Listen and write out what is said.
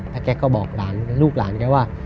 แล้วแกก็บอกหลานลูกหลานแกว่า